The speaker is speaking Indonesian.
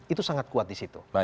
itu sangat kuat disitu